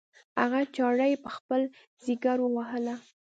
هغه چاړه یې په خپل ځګر ووهله.